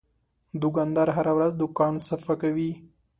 دوکاندار هره ورځ دوکان صفا کوي.